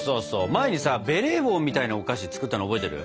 前にさベレー帽みたいなお菓子作ったの覚えてる？